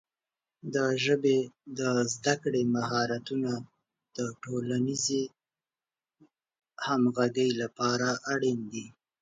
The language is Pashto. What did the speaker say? د ژبې د زده کړې مهارتونه د ټولنیزې همغږۍ لپاره اړین دي.